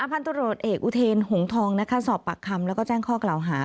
อภัณฑ์ตรวจเอกอุเทณหงธองสอบปากคำและแจ้งข้อกล่าวหา